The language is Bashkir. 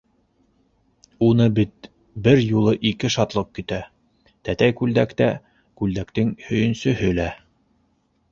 Уны бит бер юлы ике шатлыҡ көтә: тәтәй күлдәк тә, күлдәктең һөйөнсөһө лә!